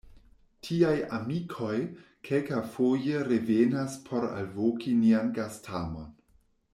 Tiaj „amikoj“ kelkafoje revenas por alvoki nian gastamon.